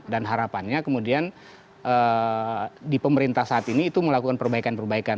dan harapannya kemudian di pemerintah saat ini itu melakukan perbaikan perbaikan